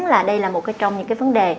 là đây là một trong những cái vấn đề